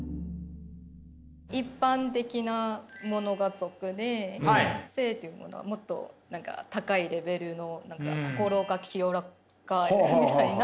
一般的なものが俗で聖というものはもっと高いレベルの心が清らかみたいな。